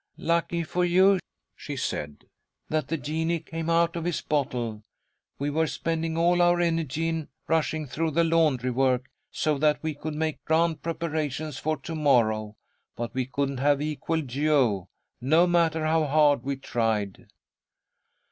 "Lucky for you," she said, "that the genie came out of his bottle. We were spending all our energy in rushing through the laundry work, so that we could make grand preparations for to morrow, but we couldn't have equalled Jo, no matter how hard we tried."